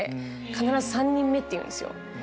必ず「３人目」って言うんですよ。